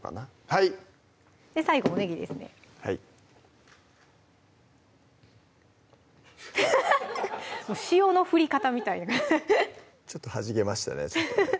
はい最後おねぎですねはい塩の振り方みたいなちょっとはじけましたね